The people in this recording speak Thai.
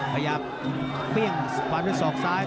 ขยับเปรี้ยงสปาดวิทย์ศอกซ้าย